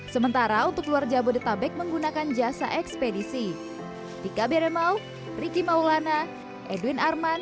sementara untuk luar jabodetabek menggunakan jasa ekspedisi